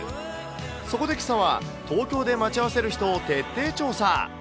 そこでけさは東京で待ち合わせる人を徹底調査。